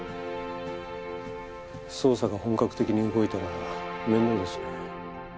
捜査が本格的に動いたら面倒ですね。